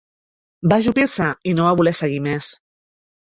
Va ajupir-se i no va voler seguir més.